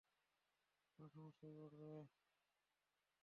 তোমরা সমস্যায় পড়বে।